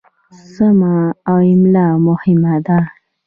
سمه املا مهمه ده.